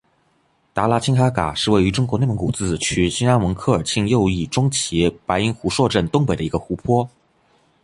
达拉沁哈嘎是位于中国内蒙古自治区兴安盟科尔沁右翼中旗白音胡硕镇东北的一个湖泊。